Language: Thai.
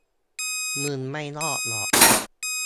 มึงไม่รอดหรอก